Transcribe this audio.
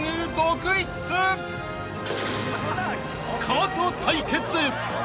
［カート対決で］